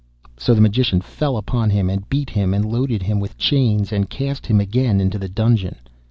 So the Magician fell upon him, and beat him, and loaded him with chains, and cast him again into the dungeon.